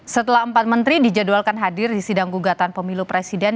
setelah empat menteri dijadwalkan hadir di sidang gugatan pemilu presiden